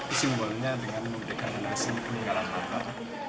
itu simbolnya dengan memberikan donasi peninggalan mantan